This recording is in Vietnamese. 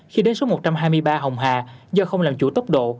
khi đến số một trăm hai mươi ba hồng hà do không làm chủ tốc độ